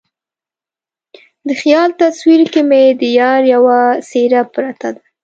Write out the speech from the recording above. د خیال تصویر کې مې د یار یوه څیره پرته ده